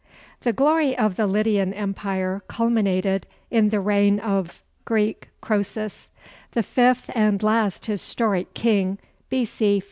The glory of the Lydian Empire culminated in the reign of [Greek: Croesus], the fifth and last historic king, B.C.